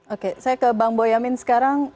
oke saya ke bang boyamin sekarang